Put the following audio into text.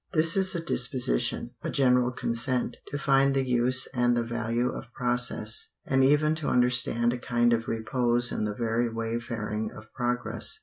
This is a disposition, a general consent, to find the use and the value of process, and even to understand a kind of repose in the very wayfaring of progress.